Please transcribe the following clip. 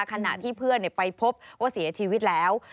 ขณะที่เพื่อนไปพบว่าเสียชีวิตแล้ว